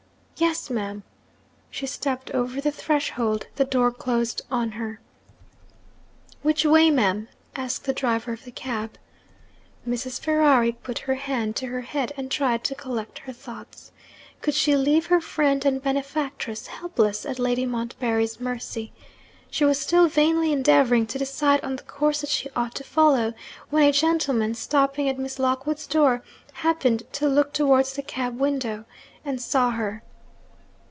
'Yes, ma'am.' She stepped over the threshold the door closed on her. 'Which way, ma'am?' asked the driver of the cab. Mrs. Ferrari put her hand to her head, and tried to collect her thoughts. Could she leave her friend and benefactress helpless at Lady Montbarry's mercy? She was still vainly endeavouring to decide on the course that she ought to follow when a gentleman, stopping at Miss Lockwood's door, happened to look towards the cab window, and saw her.